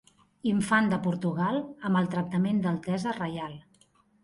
Infant de Portugal amb el tractament d'altesa reial.